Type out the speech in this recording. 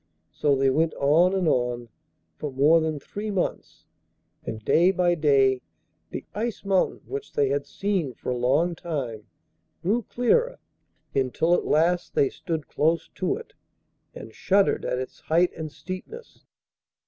So they went on and on for more than three months, and day by day the Ice Mountain, which they had seen for a long time, grew clearer, until at last they stood close to it, and shuddered at its height and steepness.